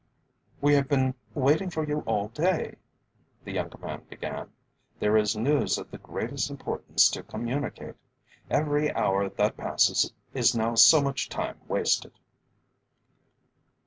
"We have been waiting for you all day," the younger man began. "There is news of the greatest importance to communicate. Every hour that passes is now so much time wasted."